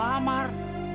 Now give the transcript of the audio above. oh oh melamar